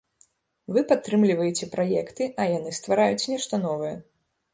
Вы падтрымліваеце праекты, а яны ствараюць нешта новае.